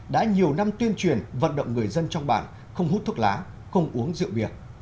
đã nhiều năm tuyên truyền vận động người dân trong bản không hút thuốc lá không uống rượu bia